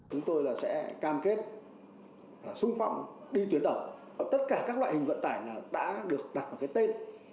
chúng tôi sẽ cam kết sung phong đi tuyến đầu và tất cả các loại hình vận tải đã được đặt vào cái tên